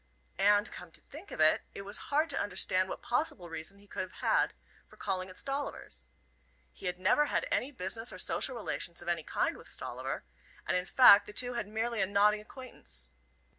And, come to think of it, it was hard to understand what possible reason he could have for calling at Stolliver's. He had never had any business or social relations of any kind with Stolliver, and in fact the two had merely a nodding acquaintance.